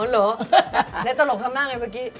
เหรอในตลกทำหน้าไงเมื่อกี้